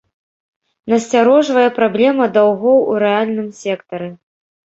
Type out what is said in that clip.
Насцярожвае праблема даўгоў у рэальным сектары.